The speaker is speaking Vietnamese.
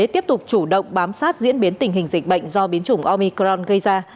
tiếp tục chủ động bám sát diễn biến tình hình dịch bệnh do biến chủng omicron gây ra